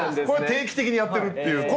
これ定期的にやってるっていう。